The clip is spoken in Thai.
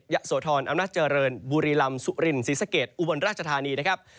โสธรอำนาจเจริญบุรีลำสุรินศรีสะเกดอุบลราชธานีนะครับ